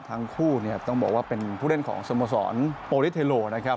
ทั้งคู่เนี่ยต้องบอกว่าเป็นผู้เล่นของสโมสรโปรลิสเทโลนะครับ